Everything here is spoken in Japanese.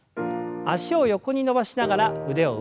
脚を横に伸ばしながら腕を上。